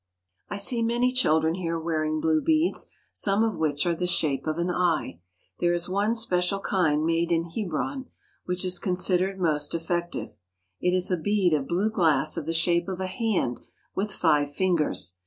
I see many children here wearing blue beads, some of which are the shape of an eye. There is one special kind made, in Hebron which is considered most effective. It is a bead of blue glass of the shape of a hand with five fingers.